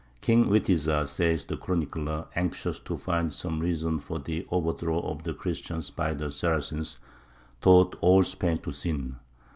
"King Witiza," says the chronicler, anxious to find some reason for the overthrow of the Christians by the Saracens, "taught all Spain to sin."